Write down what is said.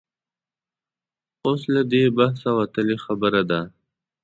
اوس له دې بحثه وتلې خبره ده.